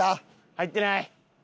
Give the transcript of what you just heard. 入ってない。